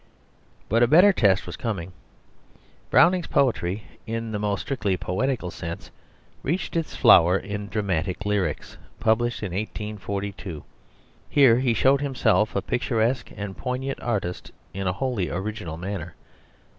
But a better test was coming. Browning's poetry, in the most strictly poetical sense, reached its flower in Dramatic Lyrics, published in 1842. Here he showed himself a picturesque and poignant artist in a wholly original manner.